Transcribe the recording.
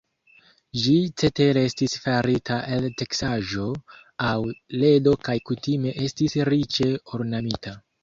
Ĝi cetere estis farita el teksaĵo aŭ ledo kaj kutime estis riĉe ornamita.